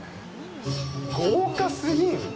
豪華すぎん？